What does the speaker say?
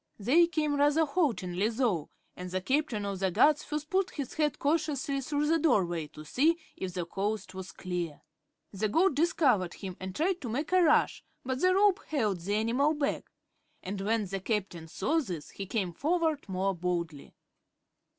They came rather haltingly, though, and the Captain of the Guards first put his head cautiously through the doorway to see if the coast was clear. The goat discovered him and tried to make a rush, but the rope held the animal back and when the Captain saw this he came forward more boldly.